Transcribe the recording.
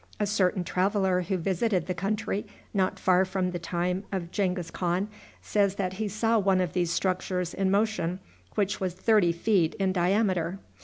A certain traveler who visited the country not far from the time of Genghis Khan says that he saw one of these structures in motion which was thirty feet in diameter.